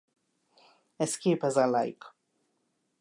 Escape as I like.